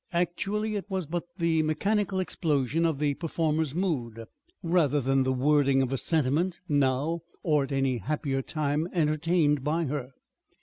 Actually it was but the mechanical explosion of the performer's mood, rather than the wording of a sentiment now or at any happier time entertained by her.